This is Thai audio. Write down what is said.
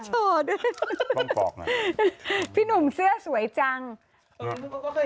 พี่หนุ่มกินเดี๋ยวนี้ก็ให้รถบริการค่ะพี่หนุ่มกินเดี๋ยวนี้ก็ให้รถบริการค่ะ